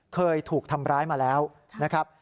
เคยถูกทำร้ายมาแล้วนะครับ